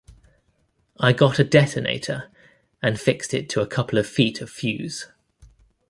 I got a detonator, and fixed it to a couple of feet of fuse.